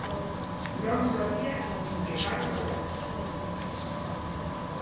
Non sabía nin que Malo Será!